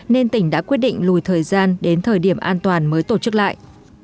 nên tỉnh đã quyết định lùi thời gian đến thời điểm an toàn mới tổ chức lại